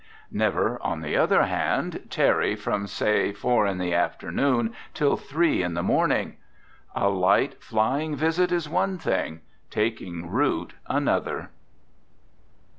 Never, on the other hand, tarry from, say, four in the afternoon till three in the morning. A light, flying visit is one thing, taking root another.